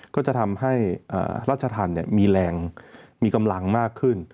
ก็จะทำให้ราชธรรมมีแรงมีกำลังมากขึ้น